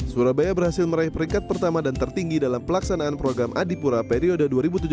surabaya berhasil meraih peringkat pertama dan tertinggi dalam pelaksanaan program adipura periode dua ribu tujuh belas dua ribu dua